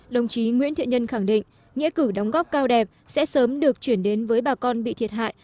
đồng chí nguyễn thiện nhân khẳng định nghĩa cử đóng góp cao đẹp sẽ sớm được chuyển đến với bà con bị thiệt hại